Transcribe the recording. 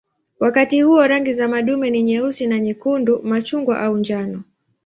Wakati huo rangi za madume ni nyeusi na nyekundu, machungwa au njano.